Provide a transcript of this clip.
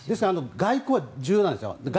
外交は重要なんです。